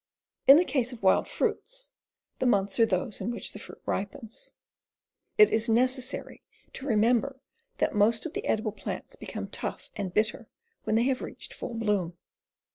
In the case of wild fruits, the months are those in which the fruit ripens. It is necessary to remember that most of the edible plants become tough and bitter when they have reached full bloom.